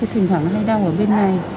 thỉnh thoảng nó hay đau ở bên này